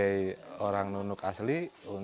kita mencoba untuk menyelidiki